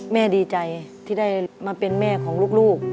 ดีใจที่ได้มาเป็นแม่ของลูก